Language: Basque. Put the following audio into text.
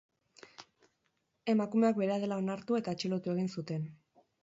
Emakumeak berea dela onartu eta atxilotu egin zuten.